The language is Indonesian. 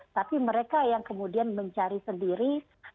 tapi mereka yang kemudian mencari sendiri